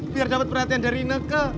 biar dapet perhatian dari nekke